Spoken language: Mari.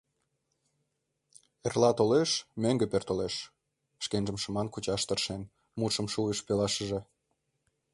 — Эрла толеш, мӧҥгӧ пӧртылеш, — шкенжым шыман кучаш тыршен, мутшым шуйыш пелашыже.